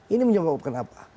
ini menyebabkan apa